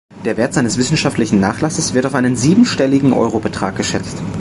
Der Wert seines wissenschaftlichen Nachlasses wird auf einen siebenstelligen Euro-Betrag geschätzt.